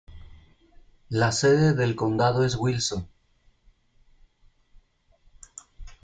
La sede del condado es Wilson.